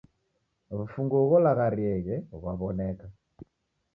W'ufunguo gholagharieghe ghwaw'oneka